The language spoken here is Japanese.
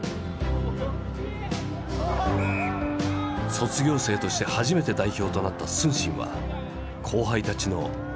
卒業生として初めて代表となった承信は後輩たちの憧れだ。